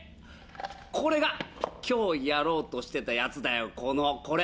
これが今日やろうとしてたやつだよこれ。